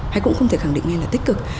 hay cũng không thể khẳng định ngay là tích cực